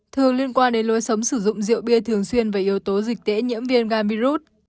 thường liên quan đến lối sống sử dụng rượu bia thường xuyên và yếu tố dịch tễ nhiễm viêm gan virus